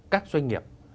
các doanh nghiệp